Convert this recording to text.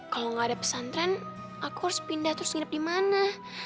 kalau gak ada pesantren aku harus pindah terus hidup dimana